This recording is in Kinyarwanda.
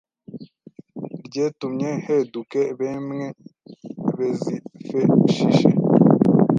ryetumye heduke bemwe bezifeshishe